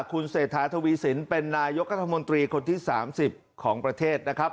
คุณเศรษฐาทวีสินเป็นนายกรัฐมนตรีคนที่๓๐ของประเทศนะครับ